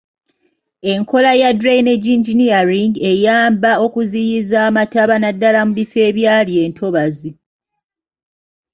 Enkola ya drainage engineering eyamba okuziyiza amataba naddala mu bifo ebyali entobazi.